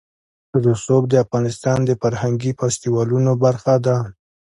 رسوب د افغانستان د فرهنګي فستیوالونو برخه ده.